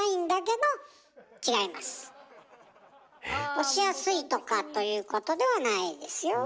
押しやすいとかということではないですよ。